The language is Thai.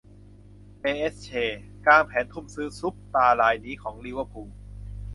เปแอสเช กางแผนทุ่มซื้อซุปตาร์รายนี้ของ ลิเวอร์พูล